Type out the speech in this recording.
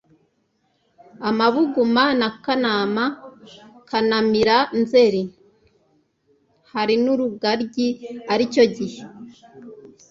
amabuguma na kanama kanamira nzeri. hari n'urugaryi ari cyo gihe